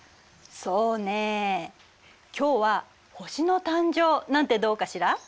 そうねえ今日は「星の誕生」なんてどうかしら？